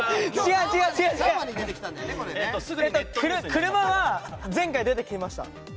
車は前回出てきました。